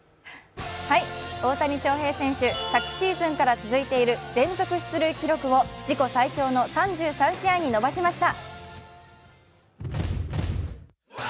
大谷翔平選手昨シーズンから続いている連続出塁記録を自己最長の３３試合に伸ばしました。